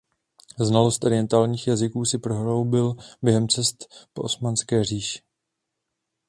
Znalost orientálních jazyků si prohloubil během cest po osmanské říši.